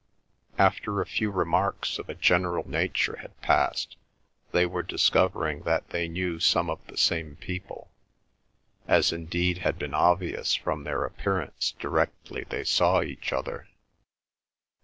After a few remarks of a general nature had passed, they were discovering that they knew some of the same people, as indeed had been obvious from their appearance directly they saw each other.